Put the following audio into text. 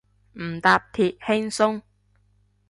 唔搭鐵，輕鬆